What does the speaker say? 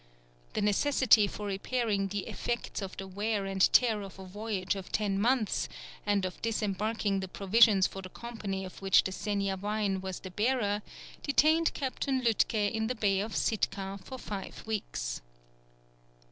The necessity for repairing the effects of the wear and tear of a voyage of ten months, and of disembarking the provisions for the company of which the Seniavine was the bearer, detained Captain Lütke in the Bay of Sitka for five weeks.